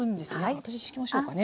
私しきましょうかね。